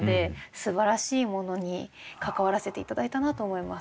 すばらしいものに関わらせて頂いたなと思います。